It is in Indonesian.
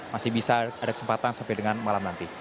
masih bisa ada kesempatan sampai dengan malam nanti